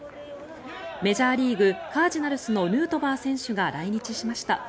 メジャーリーグ、カージナルスのヌートバー選手が来日しました。